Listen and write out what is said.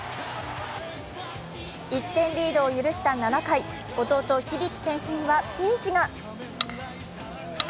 １点リードを許した７回、弟・響選手にはピンチが。